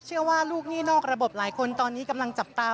เชื่อว่าลูกหนี้นอกระบบหลายคนตอนนี้กำลังจับตา